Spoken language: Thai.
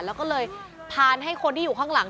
แล้วก็เลยพานให้คนที่อยู่ข้างหลัง